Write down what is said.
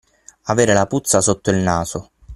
Avere la puzza sotto il naso.